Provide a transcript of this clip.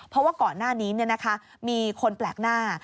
เพราะว่าก่อนหน้านี้มีคนแปลกหน้า